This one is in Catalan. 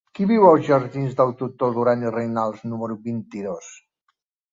Qui viu als jardins del Doctor Duran i Reynals número vint-i-dos?